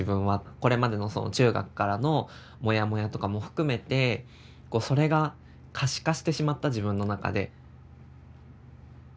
これまでのその中学からのモヤモヤとかも含めてそれが可視化してしまった自分の中で。